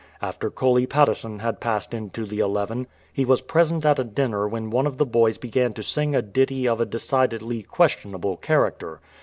After Coley Patteson had passed into the Eleven he was present at a dinner when one of the boys began to sing a ditty of a decidedly questionable character.